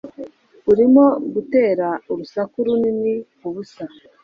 Urimo gutera urusaku runini kubusa.